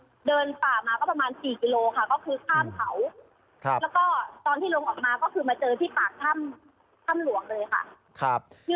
เฉื่อมสิบเฉียวเลยค่ะ